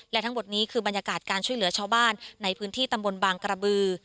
และทั้งหมดนี้คือบรรยากาศการช่วยเหลือชาวบ้านในพื้นที่ตำบลบางกระบือ